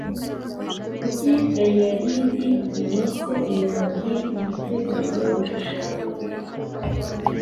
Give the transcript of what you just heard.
Kuki Eyelidi ibitse imyambi yiteguye gushushanya